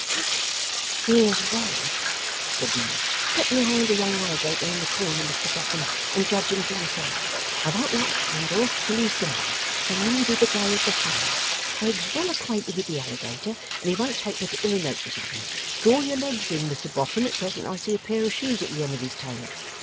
'Hush! here's Wegg!' said Venus. 'Get behind the young alligator in the corner, Mr Boffin, and judge him for yourself. I won't light a candle till he's gone; there'll only be the glow of the fire; Wegg's well acquainted with the alligator, and he won't take particular notice of him. Draw your legs in, Mr Boffin, at present I see a pair of shoes at the end of his tail.